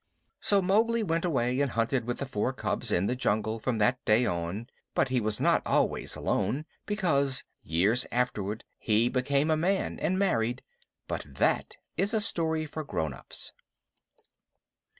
So Mowgli went away and hunted with the four cubs in the jungle from that day on. But he was not always alone, because, years afterward, he became a man and married. But that is a story for grown ups.